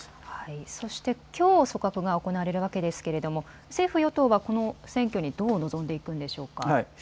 そして、きょう組閣が行われるわけですが政府与党はこの選挙にどう臨んでいくんでしょうか。